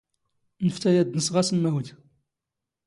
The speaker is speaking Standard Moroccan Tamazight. ⵏⴼⵜⴰ ⴰⴷ ⴷ ⵏⵙⵖ ⴰⵙⵎⵎⴰⵡⴷ.